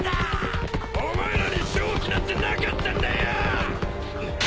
お前らに勝機なんてなかったんだよ！